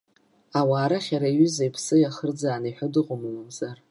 Ауаа рахь ари аҩыза иԥсы иахырӡааны иҳәо дыҟоума мамзар.